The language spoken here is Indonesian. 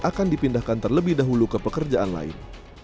akan dipindahkan terlebih dahulu ke pekerjaan lain